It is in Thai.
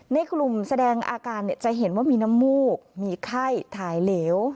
ในกลุ่มแสดงอาการจะเห็นว่ามีน้ำมูกมีไข้ถ่ายเหลว